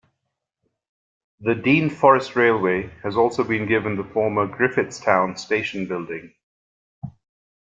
The Dean Forest Railway has also been given the former Griffithstown Station building.